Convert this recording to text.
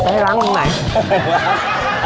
จะให้ล้างหนึ่งหน่อย